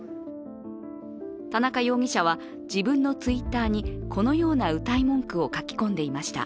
田中容疑者は自分のＴｗｉｔｔｅｒにこのようなうたい文句を書き込んでいました。